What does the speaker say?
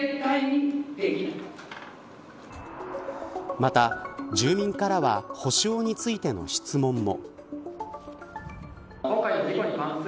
また、住民からは補償についての質問も。